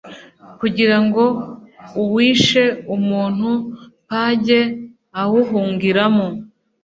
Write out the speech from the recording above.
kugira ngo uwishe umuntu p ajye awuhungiramo